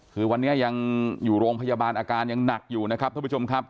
คือวันนี้ยังอยู่โรงพยาบาลอาการยังหนักอยู่นะครับท่านผู้ชมครับ